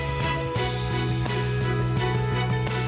แล้วข้อมูลไปที่งานคือ